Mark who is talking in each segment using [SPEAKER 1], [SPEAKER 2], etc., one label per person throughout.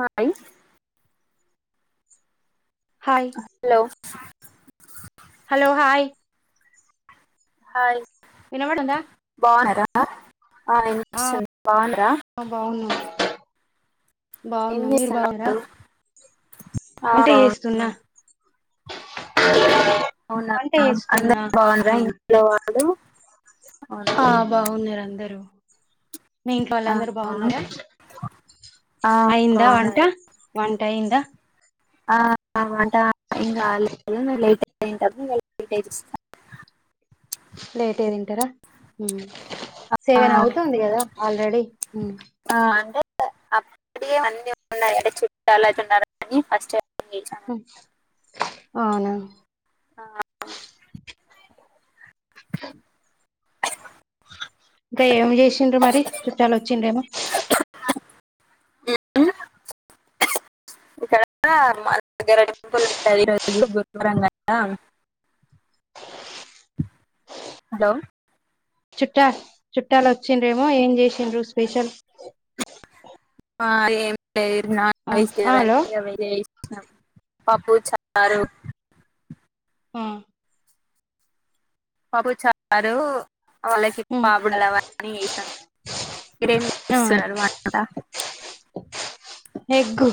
[SPEAKER 1] Hi
[SPEAKER 2] hi
[SPEAKER 1] hello
[SPEAKER 2] hello hi
[SPEAKER 1] hi
[SPEAKER 2] వినబడుందా
[SPEAKER 1] అ ఆ ఇనిపిస్తుంది బాగున్నారా
[SPEAKER 2] బాగున్నాం
[SPEAKER 1] ఏం
[SPEAKER 2] బాగున్నా మీరు బాగునారా
[SPEAKER 1] చేస్తున్నారు ఆ,
[SPEAKER 2] వంట
[SPEAKER 1] బాగున్నాను.
[SPEAKER 2] చేస్తున్నా [unintelligible]
[SPEAKER 1] అవునా
[SPEAKER 2] వంట
[SPEAKER 1] అందరు
[SPEAKER 2] చేస్తున్నా
[SPEAKER 1] బాగునారా ఇంట్లో వాళ్లు
[SPEAKER 2] ఆ బాగున్నారు అందరూ మీ ఇంట్లో వాళ్ళ
[SPEAKER 1] ఆ,
[SPEAKER 2] అందరు బాగున్నారా
[SPEAKER 1] ఆ,
[SPEAKER 2] అయిందా వంట
[SPEAKER 1] బాగున్నారు
[SPEAKER 2] వంట అయిందా
[SPEAKER 1] ఆ వంట ఏం గాలేదు ఇంగ లేట్ ఐ నేన్ డబ్బులు వాళ్లకు పే జెస్తా
[SPEAKER 2] లేట్ గ తింటరా ఊ సెవన్
[SPEAKER 1] చేస్తాను
[SPEAKER 2] అవుతుంది కదా ఆల్రెడీ ఊ
[SPEAKER 1] అ అప్పుడియో అన్ని వున్నాయ్ అంటే చుట్టాలైతే వున్నారు గాని ఫస్టు హిందీ ఛానల్ [unintelligible]
[SPEAKER 2] అవునా
[SPEAKER 1] ఆ బాగు
[SPEAKER 2] అక్క ఇంకా ఏమి చేసిండ్రు మరి చుట్టాలు వచ్చిండ్రెమో
[SPEAKER 1] ఉ ఊ ఇక్కడ మా దగ్గర టెంపుల్ రజ గురువరంగా హలో
[SPEAKER 2] చుట్టా చుట్టాలు వచ్చిండ్రేమో ఏం చేసిండ్రు స్పెషల్
[SPEAKER 1] ఆ ఏమి లేదు వీళ్ళు నాన్ వెజ్ తినరంటా
[SPEAKER 2] హలో
[SPEAKER 1] ఇక వెజ్ ఏ చేసినా పప్పు చారు
[SPEAKER 2] ఆ
[SPEAKER 1] పప్పు చారు వాళ్ళకి పబడలు అవన్ని చేసాం మీరేం చేస్తున్నారు వంట
[SPEAKER 2] ఎగ్గు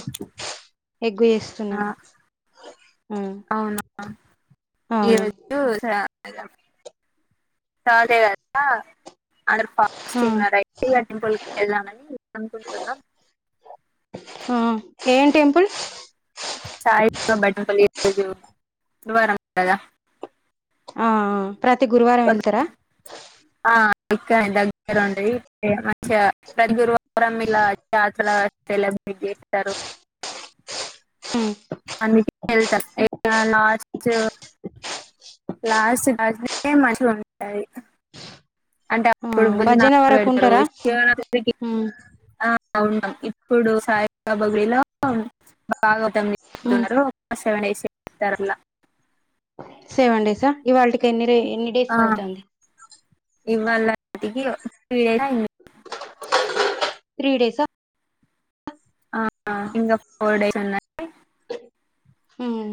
[SPEAKER 2] ఎగ్గు చేస్తునా
[SPEAKER 1] ఆ, అవునా
[SPEAKER 2] అవును
[SPEAKER 1] ఈరోజు [unintelligible] [unintelligible] అదర్ పాస్
[SPEAKER 2] ఆ
[SPEAKER 1] రైటింపుల్ వెళ్దానని అనుకుంటున్నాం
[SPEAKER 2] ఆమ్ ఏం టెంపుల్
[SPEAKER 1] సాయి బాబా టెంపుల్ ఈ రోజు గురువారం కదా
[SPEAKER 2] ఆ ఆ ప్రతి గురువారం వెళ్తారా
[SPEAKER 1] ఇక్క దగ్గర ఉండది మంచిగా ప్రతి గురువారం ఇలా జాతర సెలబ్రేటీ చేస్తారు
[SPEAKER 2] హామ్
[SPEAKER 1] అందుకే వెళ్తారు ఏం కావాలా లాస్ట్ లాస్ట్ దానికే మంచిలు ఉంటాయి అంటే
[SPEAKER 2] ఆ
[SPEAKER 1] అప్పుడు గుళ్ళు
[SPEAKER 2] భజన
[SPEAKER 1] నానా
[SPEAKER 2] వరకు
[SPEAKER 1] పెడతారు
[SPEAKER 2] ఉంటారా
[SPEAKER 1] విష
[SPEAKER 2] ఉమ్
[SPEAKER 1] ఆ అ ఉన్నాం ఇప్పుడు సాయి బాబా గుడిలో
[SPEAKER 2] ఉమ్
[SPEAKER 1] బాగాతున్నారు హ్యవ్ ఎ న్రెస్ తరంలా
[SPEAKER 2] సెవెన్ డేసా ఇవాటికి ఎన్ని ఎన్ని డేస్ అవుతుంది
[SPEAKER 1] ఇవాళ్ళటికి త్రి డేస్ అయింది
[SPEAKER 2] త్రీ డేస్ ఆ
[SPEAKER 1] ఆ ఇంకా ఫోర్ డేస్ ఉన్నాయి
[SPEAKER 2] ఉమ్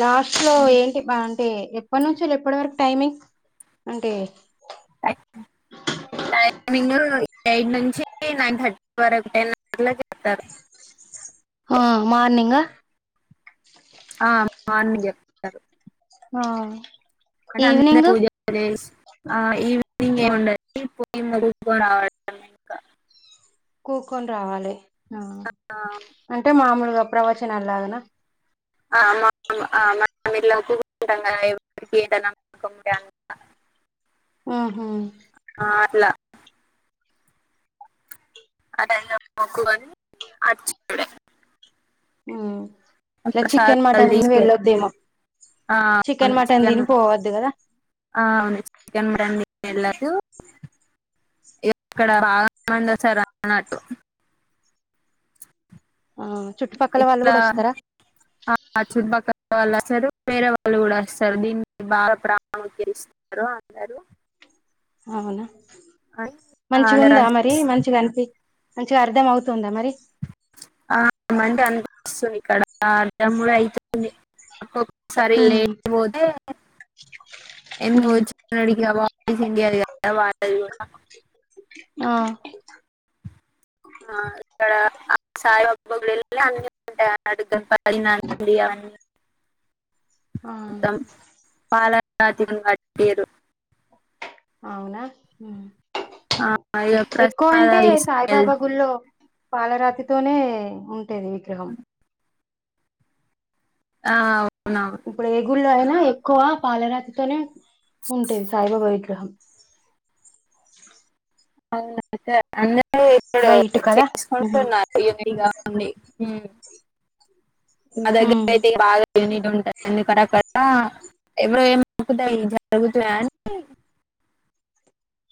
[SPEAKER 2] లాస్ట్ లో ఏంటి బాగుంట అంటే ఎప్పటి నుంచి ఎప్పటి వరకు టైమింగ్ అంటే
[SPEAKER 1] టైం టైమింగ్ ఎయిట్ నుంచి నైన్ థర్టీ వరకు టెన్ అవర్లా చెప్తారు
[SPEAKER 2] ఆ మార్నింగ్
[SPEAKER 1] ఆ మార్నింగ్ చెప్తారు
[SPEAKER 2] ఆ
[SPEAKER 1] అంటే అందరూ
[SPEAKER 2] ఈవినింగ్
[SPEAKER 1] పూజ చేసి ఆ ఈవనింగ్
[SPEAKER 2] ఆ
[SPEAKER 1] ఏముండాదు కూడా రావడం ఇంకా
[SPEAKER 2] కూకొని రావాలి
[SPEAKER 1] ఆ,
[SPEAKER 2] అంటే మామూలుగా ప్రవచనాలు లాగనా
[SPEAKER 1] వెళ్ళి కూకుంటాం కదా ఎవరికి ఏటనా
[SPEAKER 2] ఉహుమ్
[SPEAKER 1] అట్లా అదెలా మోకు కొని అని అచ్చూడే
[SPEAKER 2] ఆమ్
[SPEAKER 1] ప్రసాదాలు తీసుకోలే ఆ అవును
[SPEAKER 2] మటన్
[SPEAKER 1] చికెన్
[SPEAKER 2] తిని పోవద్దు కదా
[SPEAKER 1] ఆ అవును చికెన్ మటన్ ఇళ్లకు ఇక్కడ బగా మండసార్ అన్నట్టు
[SPEAKER 2] ఆ చుట్టుపక్కల వాళ్ళు
[SPEAKER 1] ఇట్లా
[SPEAKER 2] కూడా వస్తారా
[SPEAKER 1] చూట్టూ పక్కల వాళ్ళు వస్తారు వేరే వాళ్ళు కూడా వస్తారు దీన్ని బాగా ప్రాణం తెలుస్తారు అందరూ
[SPEAKER 2] అవునా
[SPEAKER 1] అని
[SPEAKER 2] మంచిగా
[SPEAKER 1] అందరు
[SPEAKER 2] ఉందా మరి మంచిగా అనిపి మంచిగా అర్థం అవుతుందా మరి
[SPEAKER 1] ఆమంటే అంతపిస్తు ఇక్కడ అర్ధఅయి ఒక్కోసారి
[SPEAKER 2] ఉమ్
[SPEAKER 1] లేట్ పోతె ఎ [unintelligible]
[SPEAKER 2] ఉమ్
[SPEAKER 1] వచ్చడి [unintelligible] వాళ్ళది కూడా
[SPEAKER 2] ఆ
[SPEAKER 1] ఆక్కడ సాయిబాబా గుడిలో అన్ని ఉంటాయి అడుగ పడినండి [unintelligible] అవన్నీ
[SPEAKER 2] ఆ
[SPEAKER 1] మొత్తం పాలరాతితో కట్టిండ్లు
[SPEAKER 2] అవునా హ్మ్మ్
[SPEAKER 1] ఆ, ఇక
[SPEAKER 2] ఎక్కువ అంటే
[SPEAKER 1] ప్రసాదాలు
[SPEAKER 2] సాయిబాబా
[SPEAKER 1] తీసుకెళ్తారు
[SPEAKER 2] గుళ్ళో పాలరాతితోనే ఉంటది విగ్రహం
[SPEAKER 1] ఆ అవునవును
[SPEAKER 2] ఇప్పుడే ఏ గుళ్ళో అయినా ఎక్కువ పాలరాతితోనే ఉంటది సాయిబాబా విగ్రహం
[SPEAKER 1] అవునా సరే అందరూ ఇప్పుడు
[SPEAKER 2] వైట్ కదా ఉమ్
[SPEAKER 1] చేసుకుంటున్నారు యూనిక్ గా అది మా దగ్గర
[SPEAKER 2] ఉమ్,
[SPEAKER 1] అయితే ఈగ బాగా యూనిట్ ఉంటాయి ఎందుకడ అక్కడ ఎవరు ఏక్కుతాయి జరుగుతాయి అని [inaudible]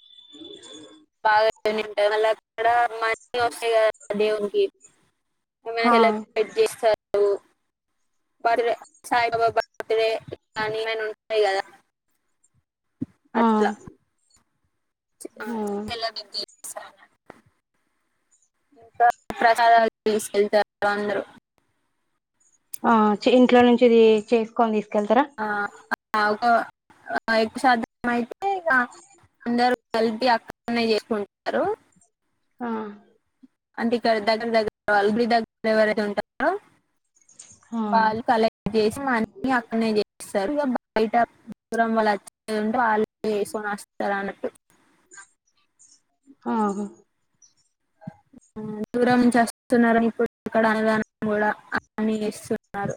[SPEAKER 2] [inaudible]
[SPEAKER 1] బాగుంటాయి ఇగ వాళ్లకడ మంచిగా వస్తాయి కదా దేవునికి ఏం అయినా
[SPEAKER 2] ఆ
[SPEAKER 1] సెలబ్రేట్ చేస్తారు సాయి బాబా బర్త్డే కానీ ఏం అన్న ఉంటాయి కదా
[SPEAKER 2] ఆ ఆ
[SPEAKER 1] అలాగే సెలబ్రేట్ చేస్తారు అంటా ఇంకా ప్రసాదాలు తీసుకెళ్తారు అందరూ
[SPEAKER 2] ఆ ఇంట్లో నుంచి ఇది చేసుకొని తీసు
[SPEAKER 1] ఆ ఒక ఎక్కుశాతం అయితే ఇగా అందరు కలిపి అక్కడనే చేసుకుంటారు
[SPEAKER 2] ఆ
[SPEAKER 1] అంటే ఇక్కడ దగ్గర దగ్గర గుడి దగ్గర ఎవరైతే ఉంటారో
[SPEAKER 2] ఆ
[SPEAKER 1] వాళ్ళు కలెక్ట్ చేసి మాని అట్లనే చేసి సరే ఇగా బయట దూరం వాళ్ళు అచిందంటే వాళ్ళ చేసుకొని వస్తారు అన్నట్టు [inaudible]
[SPEAKER 2] ఆ
[SPEAKER 1] దూరం నుంచి వస్తున్నారు అన్నపుడు ఇక్కడ అన్నదానం కూడా అని చేస్తున్నారు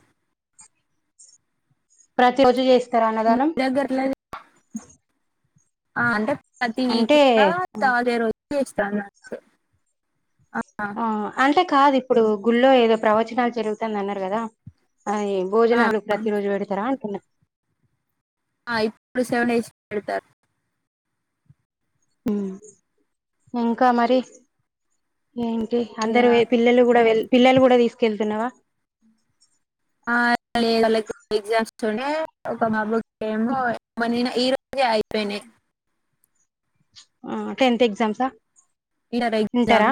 [SPEAKER 2] ప్రతిరోజు చేస్తే
[SPEAKER 1] మీ దగ్గర ఆ అంటే పత నీకు
[SPEAKER 2] అంటే
[SPEAKER 1] [unintelligible] తాదే రోజ [unintelligible] వచ్చ
[SPEAKER 2] ఆ అంటే కాదు ఇప్పుడు గుళ్ల్లో ఏదో ప్రవచనాలు జరుగుతుంది అన్నారు కదా ఆ ఈ
[SPEAKER 1] ఆ,
[SPEAKER 2] భోజనాలు ప్రతి రోజు పెడతారా అంటున్నా
[SPEAKER 1] ఆ ఇప్పుడు సెవెన్ [unintelligible] హచ్ పెడతారు
[SPEAKER 2] హ్మ్మ్ ఇంకా మరి ఏంటి
[SPEAKER 1] ఇక,
[SPEAKER 2] అందరూ పిల్లలు కూడా పిల్లలు కూడా తీసుకెళ్తున్నావా
[SPEAKER 1] ఆ ఎగ్జామ్స్నే [unintelligible] ఒక బాబుకి [unintelligible] ఏమో ఈరోజే అయిపోయినాయి
[SPEAKER 2] ఆ టెన్త్ ఎక్జామ్స్ ఆ
[SPEAKER 1] ఇ ఎగ్జామ్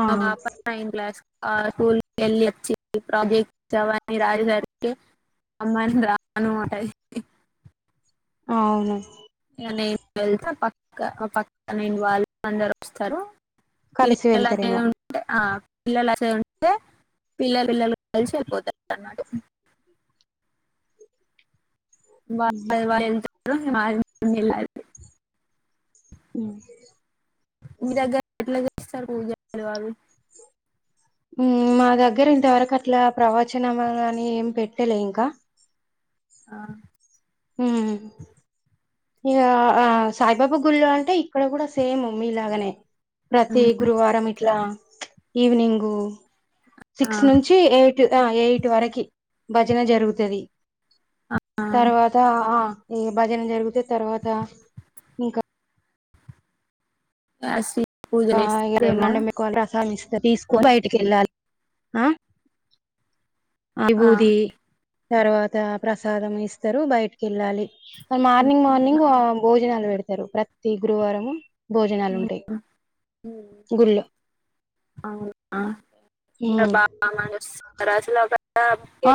[SPEAKER 2] ఆ
[SPEAKER 1] పాప నైన్ క్లాస్ ఆ స్కూల్ కి వెళ్ళి అచ్చి ఆ ప్రోజెక్ట్వని రాసేసరికే అమ్మాయిని రాను అంటది
[SPEAKER 2] అవును
[SPEAKER 1] ఇక నేను వెళ్తా పక్క పక్క నేను వాళ్ళ అందరు వస్తారు
[SPEAKER 2] కలిసి
[SPEAKER 1] పిల్లల అే
[SPEAKER 2] వెళ్తారేమో
[SPEAKER 1] ఉంటే ఆ పిల్లలు ఆసు [unintelligible] పిల్ల పిల్లలు కలిసి వెళ్ళిపోతారు అనమాట [unintelligible]
[SPEAKER 2] ఉమ్. ఉమ్.
[SPEAKER 1] మీ దగ్గర ఎట్లా చేస్తారు పూజలు మీ వాళ్ళు
[SPEAKER 2] ఉమ్ మా దగ్గర ఇంతవరకు అట్లా ప్రవచనం అని ఏం పెట్టలే ఇంకా
[SPEAKER 1] ఆ
[SPEAKER 2] ఉమ్ ఇగా ఆ సాయిబాబా గుళ్ళో అంటే ఇక్కడ కూడా సేమ్ మీలాగనే ప్రతి
[SPEAKER 1] ఉమ్,
[SPEAKER 2] గురువారం ఇట్లా ఈవినింగు
[SPEAKER 1] ఆ,
[SPEAKER 2] సిక్స్ నుంచి ఎయిట్ ఎ ఎయిట్ వరకి భజన జరుగుతుంది
[SPEAKER 1] ఆ,
[SPEAKER 2] తర్వాత ఆ ఈ భజన జరిగితే తర్వాత ఇంకా
[SPEAKER 1] పాస్టరీ
[SPEAKER 2] ఆ ఎల్లుండి మీకు ప్రసాదమిస్ తా తీసుకు బయటి వెళ్ళాలి
[SPEAKER 1] ఆ,
[SPEAKER 2] విబూది తర్వాత ప్రసాదం ఇస్తారు బయటికి వెళ్ళాలి ఆ మార్నింగ్ మార్నింగ్
[SPEAKER 1] ఉమ్,
[SPEAKER 2] భోజనాలు పెడతారు ప్రతి గురువారము భోజనాలు
[SPEAKER 1] ఉమ్,
[SPEAKER 2] ఉంటాయి
[SPEAKER 1] ఉమ్
[SPEAKER 2] గుళ్ళో
[SPEAKER 1] అవునా ఇగ బామడోస్ రాజులాగా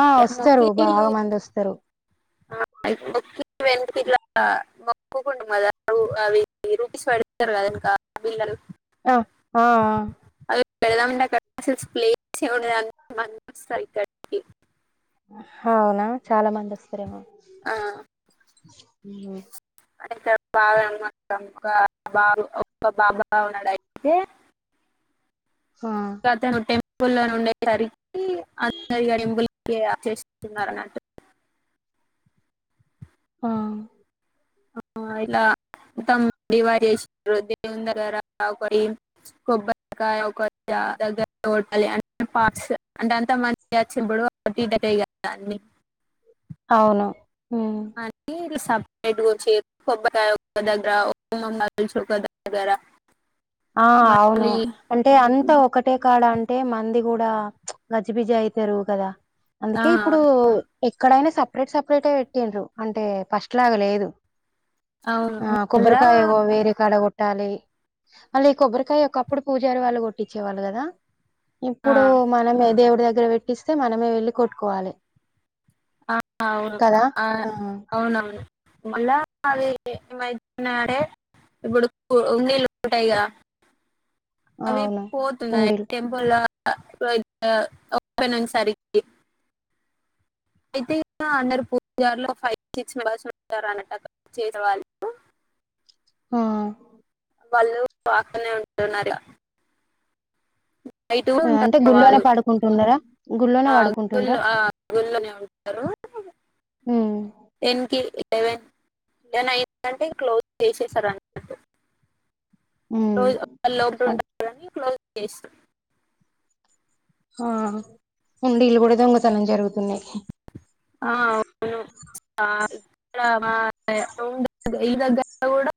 [SPEAKER 2] ఆ వస్తారు
[SPEAKER 1] మొక్కి
[SPEAKER 2] బాగా మంది వస్తారు
[SPEAKER 1] ఆ మొక్కి [unintelligible] కు కుండి మాద అవి రూపీస్ పెడాతారు కదా ఇంకా బిల్లలు
[SPEAKER 2] ఆ ఆ
[SPEAKER 1] ఆ పెడదాం మంటే [unintelligible]
[SPEAKER 2] హా అవునా చాలా మంది వస్తారేమో
[SPEAKER 1] ఆ
[SPEAKER 2] ఉమ్
[SPEAKER 1] అ బాగాం బా ఒ బాబా ఉన్నాడయితే
[SPEAKER 2] ఆ
[SPEAKER 1] రతనొట్టే పుల్లో నుండే సరికి అందరిపు చేసినట్టు అన్నట్టు
[SPEAKER 2] ఆ
[SPEAKER 1] ఆ ఇలా తమ్ వారి ఎ దేవుందగార పోయి కొబ్బరికాయ అకో ఆ దగ్గర టోల్ ప్లాన్ పార్స్ అంటే అంత మంది వచ్చినప్పుడుటక కదా అన్ని
[SPEAKER 2] అవును ఉమ్
[SPEAKER 1] అనీ సబ్ ఏంటికొచ్చి కొబ్బరి కాయ దగ్గర ఒక దగ్గర
[SPEAKER 2] ఆ అవును
[SPEAKER 1] మళ్ళీ
[SPEAKER 2] అంటే అంతా ఒకటే కాడ అం అంటే మంది గూడా గజ్జిబిజజ అవుతారు కదా
[SPEAKER 1] ఆ
[SPEAKER 2] అందుకే ఇప్పుడు ఎక్కడైనా సపరేట్ సపరేట్ పెట్టిరు అంటే ఫస్ట్ లాగా లేదు
[SPEAKER 1] అవును
[SPEAKER 2] ఆ
[SPEAKER 1] మళ్ళా
[SPEAKER 2] కొబ్బరికాయ వేరేకాడ కొట్టాలి మళ్ళీ ఈ కొబ్బరికాయ ఒకప్పుడు పూజారి వాళ్ళు కొట్టించేవాళ్ళు కదా
[SPEAKER 1] ఆ,
[SPEAKER 2] ఇప్పుడు మనమే దేవుడి దగ్గర పెట్టిస్తే మనమే వెళ్ళి కొట్టుకోవాలి
[SPEAKER 1] ఆ అవును ఆ అవునవును మళ్ళ అవేలె అ మైత్యఅడే ఇప్పుడు ఉందేలూన్టాయిగా అవి
[SPEAKER 2] అవును
[SPEAKER 1] పోతున్నాయి
[SPEAKER 2] ఉండీలు
[SPEAKER 1] టెంపోలా అ ఒన్ అర్ ఓపెన్ ఉన్ సరికి అయితే ఇగ అందరు పూజారులో ఫైవ్ సిక్స్ మెంబర్స్ ఉంటారు అన్నట్ చేసే వాళ్ళు [unintelligible] [inaudible]
[SPEAKER 2] ఆ
[SPEAKER 1] వాళ్ళు బాగానే ఉంటున్నారుగా నైట్ కూడా
[SPEAKER 2] అంటే
[SPEAKER 1] ఉంటారు
[SPEAKER 2] గుళ్ళోనే
[SPEAKER 1] వాళ్ళు
[SPEAKER 2] పడుకుంటున్నారా గుళ్ళోనే
[SPEAKER 1] ఆ
[SPEAKER 2] పడుకుంటుండ్రా
[SPEAKER 1] గుల్లో గుల్లోనే ఉంటారు
[SPEAKER 2] ఉమ్
[SPEAKER 1] ఎన్కి లెవెన్ ఇగ నైట్ అంటే క్లోజ్ చేసేస్తరు అన్నట్టు
[SPEAKER 2] ఉమ్
[SPEAKER 1] రోజ్ వాళ్ళు లోపల ఉంటర్ గాని క్లోజ్ చేస్తార్
[SPEAKER 2] ఆ హుండిలలో కూడా దొంగతనం జరుగుతున్నాయి
[SPEAKER 1] ఆ, అవును ఆ ఇక్కడ మా రూం దగ్గర ఇల్లు దగ్గర కూడా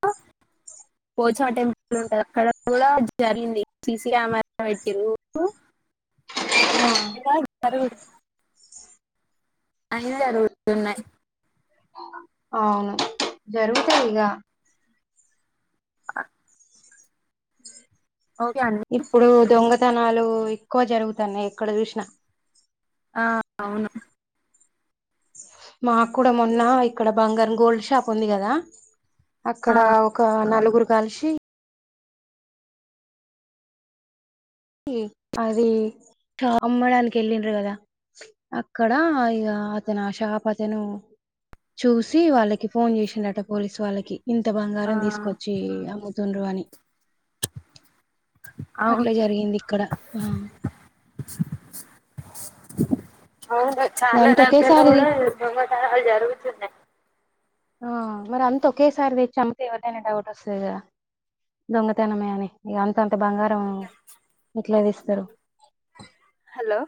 [SPEAKER 1] పోచమ్మ టెంపుల్ ఉంటది అక్కడ కూడా జరిగింది సిసి కెమెరా పెట్టిన్రూ అది కాద్ మరుగుడు [inaudible] అయినా జరుగుతున్నాయి
[SPEAKER 2] అవును జరుగుతాయి ఇగ
[SPEAKER 1] ఆక్ [inaudible] అండి
[SPEAKER 2] ఇప్పుడు దొంగతనాలు ఎక్కువ జరుగుతన్నయి ఎక్కడ చూసినా
[SPEAKER 1] ఆహ్ అవును
[SPEAKER 2] మాక్ కూడా మొన్న ఇక్కడ బంగారం గోల్డ్ షాప్ ఉంది కదా
[SPEAKER 1] ఆ
[SPEAKER 2] అక్కడ ఒక నలుగురు కలిషి షి అది కా అమ్మడానికెళ్ళిండ్రు కదా అక్కడ ఇగ అతను ఆషాపతను చూసి వాళ్ళకి ఫోన్ చేసిండట పోలీసు వాళ్ళకి ఇంత
[SPEAKER 1] ఆ
[SPEAKER 2] బంగారం తీసుకొచ్చి అమ్ముతుండ్రు అని
[SPEAKER 1] అవును
[SPEAKER 2] అట్ల జరిగింది ఆహ్
[SPEAKER 1] అవును చాలా దగ్గర గూడా దొంగతనాలు జరుగుతున్నాయి
[SPEAKER 2] ఆహ్ మరంత ఒకేసారి తెచ్చి అమ్ముతే ఎవరికైనా డౌట్ వస్తది కదా దొంగతనమే అని ఇగ అంతంత బంగారం ఇట్ల తేస్తారు
[SPEAKER 1] హెలో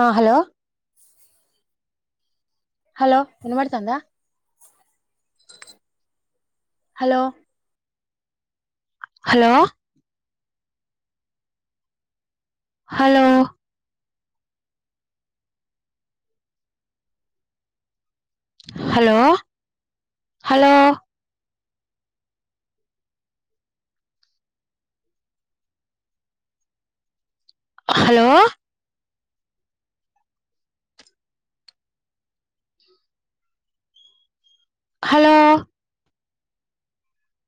[SPEAKER 2] ఆ హ్ హలో హలో ఇన్బడతాందా hello hello hello hello hello hello hello